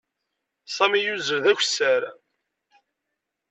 Sami yuzzel d akessar.